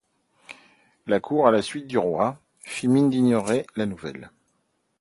La cour, à la suite du roi, fit mine d'ignorer la nouvelle.